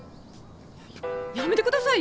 ややめてくださいよ！